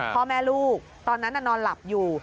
พ่อแม่ลูกตอนนั้นนอนหลับอยู่